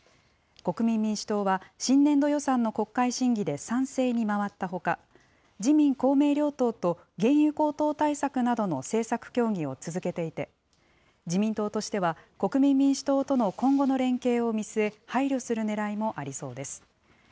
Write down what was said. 国民民主党は、新年度予算の国会審議で賛成に回ったほか、自民、公明両党と原油高騰対策などの政策協議を続けていて、自民党としては、国民民主党との今後の連携を見据え、配慮するねらいもありそうです。